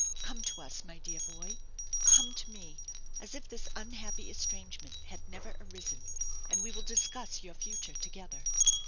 Come to us, my dear boy; come to me, as if this unhappy estrangement had never arisen, and we will discuss your future together.